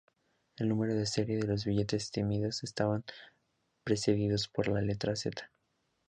El número de serie de los billetes emitidos estaban precedidos por la letra "Z".